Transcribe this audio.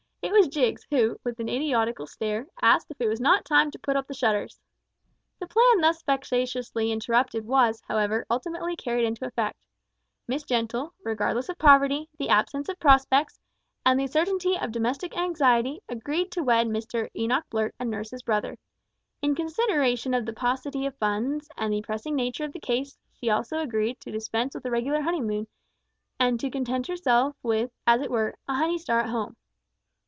It was Jiggs, who, with an idiotical stare, asked if it was not time to put up the shutters! The plan thus vexatiously interrupted was, however, ultimately carried into effect. Miss Gentle, regardless of poverty, the absence of prospects, and the certainty of domestic anxiety, agreed to wed Mr Enoch Blurt and nurse his brother. In consideration of the paucity of funds, and the pressing nature of the case, she also agreed to dispense with a regular honeymoon, and to content herself with, as it were, a honey star at home.